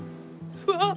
うわっ！